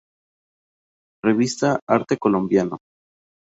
R"evista Arte Colombiano.